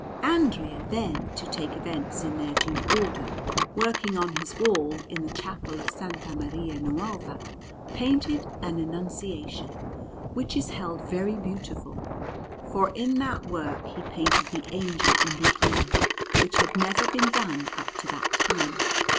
Andrea, then (to take events in their due order), working on his wall in the Chapel of S. Maria Nuova, painted an Annunciation, which is held very beautiful, for in that work he painted the Angel in the air, which had never been done up to that time.